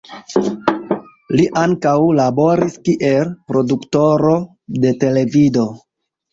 Li ankaŭ laboris kiel produktoro de televido.